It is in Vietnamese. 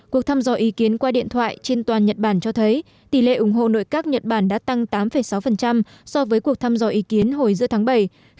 cuộc thăm dò ý kiến qua điện thoại trên toàn nhật bản cho thấy tỷ lệ ủng hộ nội các nhật bản đã tăng tám sáu so với cuộc thăm dò ý kiến của ngoại trưởng shinzo abe